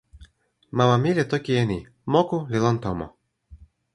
mama mi li toki e ni: moku li lon tomo.